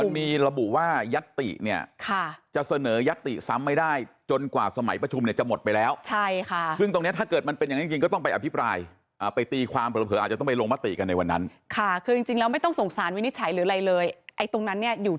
มันมีระบุว่ายัตติเนี่ยจะเสนอยัตติซ้ำไม่ได้จนกว่าสมัยประชุมเนี่ยจะหมดไปแล้ว